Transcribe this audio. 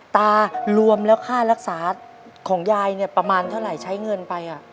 ตารวมแล้วค่ารักษาของยายเนี่ยประมาณเท่าไหร่ใช้เงินไป